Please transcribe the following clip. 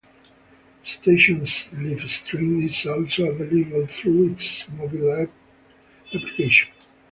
The station's live stream is also available through its mobile app.